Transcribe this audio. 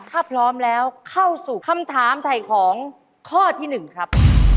ถ้าพร้อมแล้วเข้าสู่คำถามถ่ายของข้อที่๑ครับ